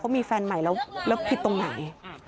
เขามีแฟนใหม่แล้วเลิกผิดตรงไหน